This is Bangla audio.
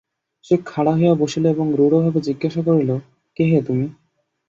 সে খাড়া হইয়া বসিল এবং রূঢ়ভাবে জিজ্ঞাসা করিল, কে হে তুমি?